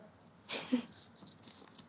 フフッ。